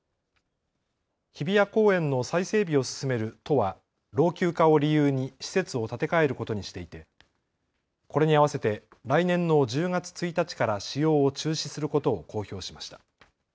日比谷公園の再整備を進める都は老朽化を理由に施設を建て替えることにしていてこれに合わせて来年の１０月１日から使用を中止することを公表しました。